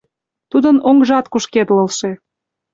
Тудын оҥжат кушкедлылше!